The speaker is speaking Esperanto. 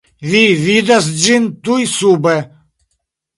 Vi vidas ĝin tuj sube.